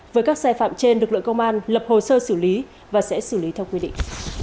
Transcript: với các sai phạm trên lực lượng công an lập hồ sơ xử lý và sẽ xử lý theo quy định